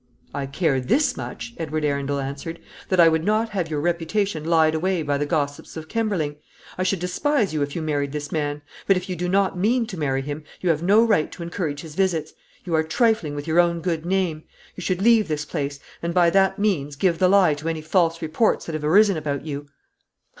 "I care this much," Edward Arundel answered, "that I would not have your reputation lied away by the gossips of Kemberling. I should despise you if you married this man. But if you do not mean to marry him, you have no right to encourage his visits; you are trifling with your own good name. You should leave this place, and by that means give the lie to any false reports that have arisen about you."